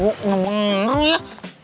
oh emang beneran ya